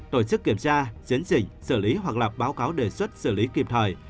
tổ chức kiểm tra chiến trình xử lý hoặc lập báo cáo đề xuất xử lý kịp thời